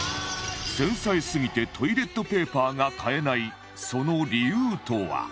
繊細すぎてトイレットペーパーが買えないその理由とは？